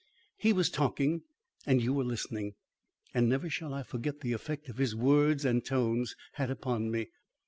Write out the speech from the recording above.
He was talking and you were listening, and never shall I forget the effect his words and tones had upon me.